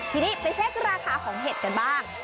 ทีนี้ไปเช็คราคาของเห็ดกันบ้าง